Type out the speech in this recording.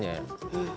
うん。